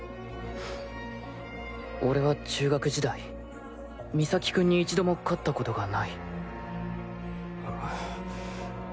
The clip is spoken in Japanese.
俺は中学時代岬君に一度も勝ったことがない。